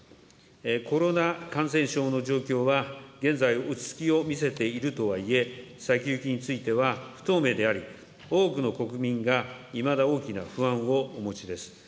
コロナ感染症の状況は、現在、落ち着きを見せているとはいえ、先行きについては不透明であり、多くの国民がいまだ大きな不安をお持ちです。